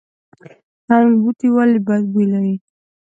هنګ بوټی ولې بد بوی لري؟